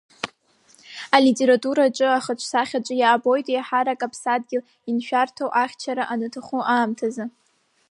Алитература аҿы ахаҿсахьаҿ иаабоит еиҳарак аԥсадгьыл аншәарҭоу, ахьчара анаҭаху аамҭазы.